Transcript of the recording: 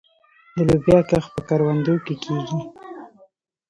د لوبیا کښت په کروندو کې کیږي.